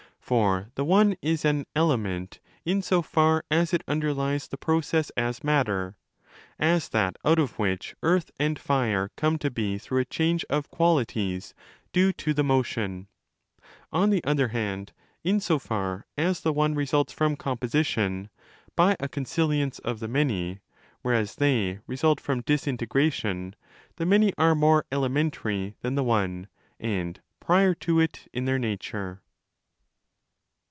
For the One is an 'element' in so far as it underlies the process as matter—as that out of which Earth and Fire come to be through a change of qualities due to . 'the motion'. On the other hand, in so far as the One results from composition (by a consilience of the Many), whereas they result from disintegration, the Many are more 25 'elementary' than the One, and prior to it in their nature.